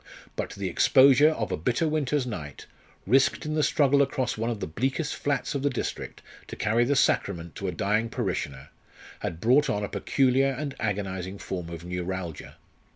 But the exposure of a bitter winter's night, risked in the struggle across one of the bleakest flats of the district to carry the Sacrament to a dying parishioner, had brought on a peculiar and agonising form of neuralgia.